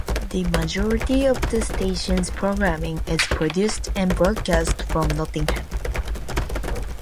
The majority of the station's programming is produced and broadcast from Nottingham.